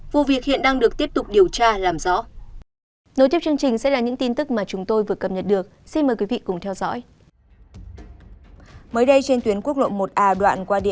vụ việc hiện đang được tiếp tục điều tra làm rõ